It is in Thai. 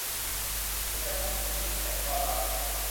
ฉันจะพบคุณที่แผนกต้อนรับ